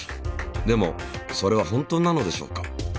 でもそれは本当なのでしょうか。